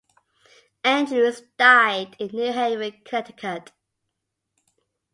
Andrews died in New Haven, Connecticut.